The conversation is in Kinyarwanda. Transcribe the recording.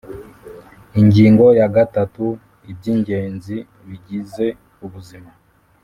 Ingingo ya gatatu Iby ingenzi bigize ubuzima